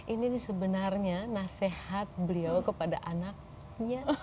ini sebenarnya nasihat beliau kepada anaknya